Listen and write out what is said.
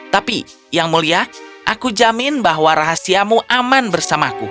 tapi yang mulia aku jamin bahwa rahasiamu aman bersamaku